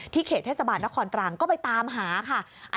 ที่เขตเทศบาทนครตรางก์ก็ไปตามหาค่ะ